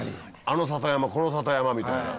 あの里山この里山みたいな。